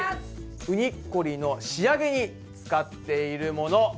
ウニッコリーの仕上げに使っているもの